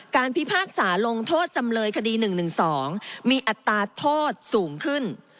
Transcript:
พิพากษาลงโทษจำเลยคดี๑๑๒มีอัตราโทษสูงขึ้น